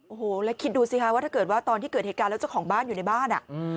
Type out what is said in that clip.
โอ้โหแล้วคิดดูสิคะว่าถ้าเกิดว่าตอนที่เกิดเหตุการณ์แล้วเจ้าของบ้านอยู่ในบ้าน